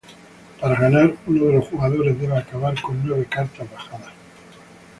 Para ganar, uno de los jugadores debe acabar con nueve cartas bajadas.